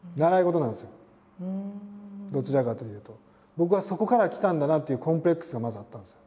僕はそこから来たんだなっていうコンプレックスがまずあったんですよ。